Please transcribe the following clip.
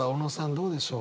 どうでしょう？